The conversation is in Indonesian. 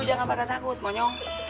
lu jangan banget takut monyo